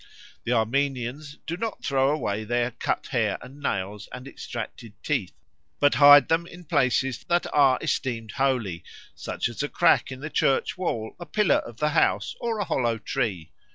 The Armenians do not throw away their cut hair and nails and extracted teeth, but hide them in places that are esteemed holy, such as a crack in the church wall, a pillar of the house, or a hollow tree.